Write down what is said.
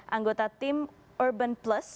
anggota tim urban plus